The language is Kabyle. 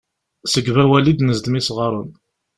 Seg Ubawal i d-nezdem isɣaren.